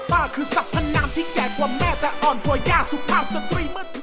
ป้าคือสัพพะนามที่แก่กว่าแม่แต่อ่อนตัวย่าสุภาพสตรีต